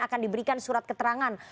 akan diberikan surat keterangan